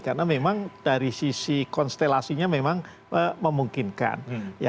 karena memang dari sisi konstelasinya memang memungkinkan